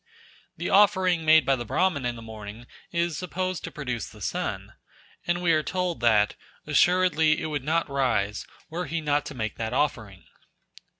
The offering made by the Brahman in the morning is supposed to produce the sun, and we are told that "assuredly it would not rise, were he not to make that offering."